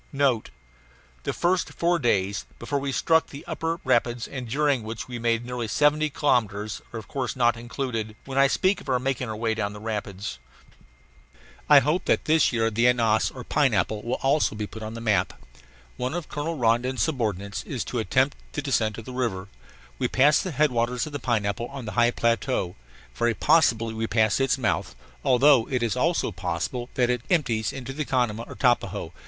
NOTE: The first four days, before we struck the upper rapids, and during which we made nearly seventy kilometres, are of course not included when I speak of our making our way down the rapids. I hope that this year the Ananas, or Pineapple, will also be put on the map. One of Colonel Rondon's subordinates is to attempt the descent of the river. We passed the headwaters of the Pineapple on the high plateau, very possibly we passed its mouth, although it is also possible that it empties into the Canama or Tapajos.